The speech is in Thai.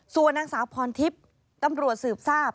ส่วนนางสาวพรทิพย์ตำรวจสืบทราบ